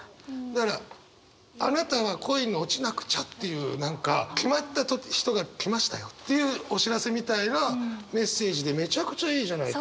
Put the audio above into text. だからあなたは恋に落ちなくちゃっていう何か決まった人が来ましたよっていうお知らせみたいなメッセージでめちゃくちゃいいじゃない。